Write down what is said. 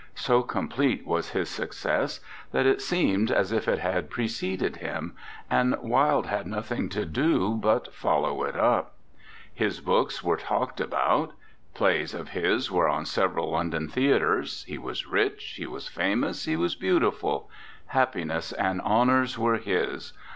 So complete was his success that it seemed as if it had preceded him, and Wilde had nothing to do but follow it up. His books were talked about. 27 RECOLLECTIONS OF OSCAR WILDE Plays of his were on at several London theatres. He was rich; he was famous; he was beautiful. Happiness and hon ors were his.